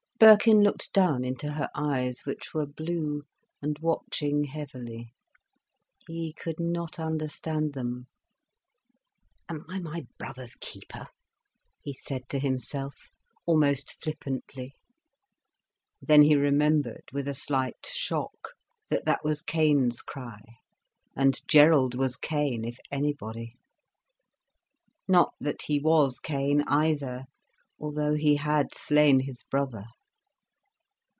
Birkin looked down into her eyes, which were blue, and watching heavily. He could not understand them. "Am I my brother's keeper?" he said to himself, almost flippantly. Then he remembered, with a slight shock, that that was Cain's cry. And Gerald was Cain, if anybody. Not that he was Cain, either, although he had slain his brother.